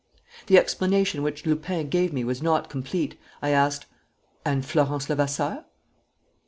The explanation which Lupin gave me was not complete. I asked: "And Florence Levasseur?"